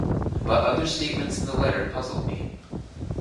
But other statements in the letter puzzled me.